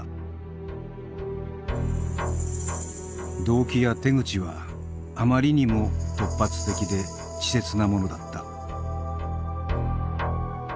動機や手口はあまりにも突発的で稚拙なものだった。